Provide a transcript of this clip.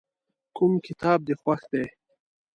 کوم کتاب دې خوښ دی؟